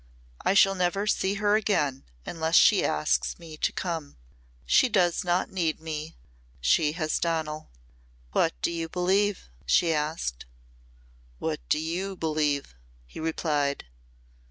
I shall never see her again unless she asks me to come. She does not need me. She has Donal." "What do you believe?" she asked. "What do you believe?" he replied.